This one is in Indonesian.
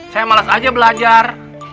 saya males aja belajar